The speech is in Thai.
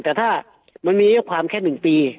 แต่ถ้ามันมีอายุความแค่๑ปี